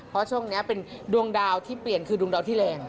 เพราะช่วงนี้เป็นดวงดาวที่เปลี่ยนคือดวงดาวที่แรง